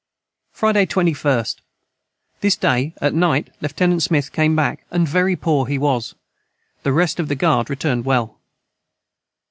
Friday 21st. This day at knight Leiut. Smith came back & very poor he was the rest of the guard returned well.